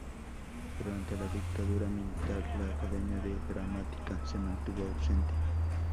Durante la Dictadura Militar la Academia de Dramática se mantuvo ausente.